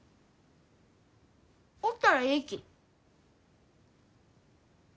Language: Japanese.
おったらえいき。